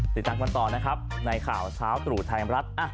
ติดตามความตอนนะครับในข่าวเช้าตรูไทยอำรัฐอ่ะ